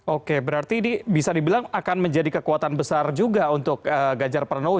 oke berarti ini bisa dibilang akan menjadi kekuatan besar juga untuk ganjar pranowo